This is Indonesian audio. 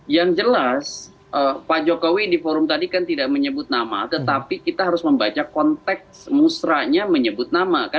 yang jelas pak jokowi di forum tadi kan tidak menyebut nama tetapi kita harus membaca konteks musranya menyebut nama